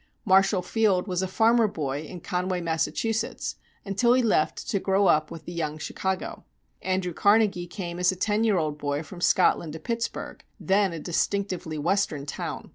Marshall Field was a farmer boy in Conway, Massachusetts, until he left to grow up with the young Chicago. Andrew Carnegie came as a ten year old boy from Scotland to Pittsburgh, then a distinctively Western town.